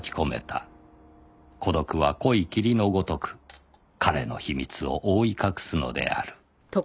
孤独は濃い霧のごとく“彼”の秘密を覆い隠すのである